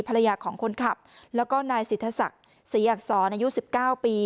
ภรรยาของคนขับแล้วก็นายสิทธศักดิ์ศรีอักษรอายุ๑๙ปี